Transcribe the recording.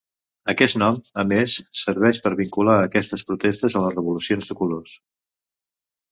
Aquest nom, a més, serveix per vincular aquestes protestes a les revolucions de colors.